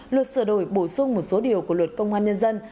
luật sửa đổi bổ sung một số điều của luật công an nhân dân